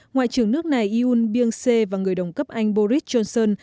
ngoại trưởng nước này yul byung se và người đồng cấp anh boris johnson